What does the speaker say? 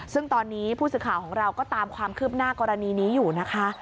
ซึ่งตอนนี้ผู้สื่อข่าวของเราก็ตามความคืบหน้ากรณีนี้อยู่นะคะ